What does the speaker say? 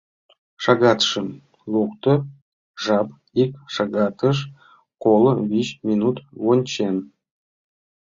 Шагатшым лукто — жап ик шагатыш коло вич минут вончен!